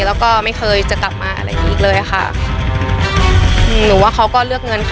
แล้วก็ไม่เคยจะกลับมาอะไรอย่างงี้อีกเลยค่ะอืมหนูว่าเขาก็เลือกเงินค่ะ